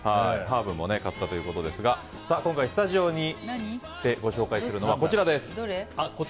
ハーブも買ったということですが今回、スタジオにご紹介するのは、こちらです。